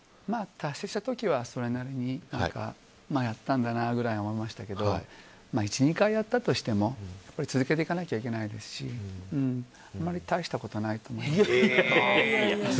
達成した時はそれなりにやったんだなぐらいに思いましたけど１２回やったとしても続けていかないといけないですしあまり大したことないかな。